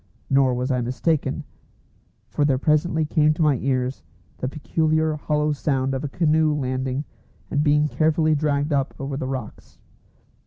Nor was I mistaken, for there presently came to my ears the peculiar hollow sound of a canoe landing and being carefully dragged up over the rocks.